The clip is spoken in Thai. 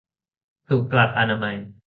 ถูกหลักอนามัย